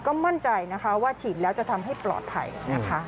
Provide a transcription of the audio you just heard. ก็มั่นใจนะคะว่าฉีดแล้วจะทำให้ปลอดภัยนะคะ